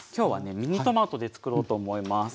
ミニトマトでつくろうと思います。